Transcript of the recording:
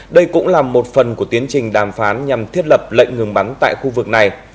đây cũng là một phần của tiến trình đàm phán nhằm thiết lập lệnh ngừng bắn tại khu vực này